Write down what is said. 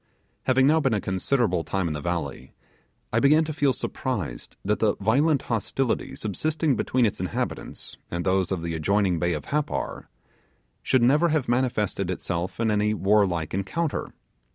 Having now been a considerable time in the valley, I began to feel surprised that the violent hostility subsisting between its inhabitants, and those of the adjoining bay of Happar, should never have manifested itself in any warlike encounter.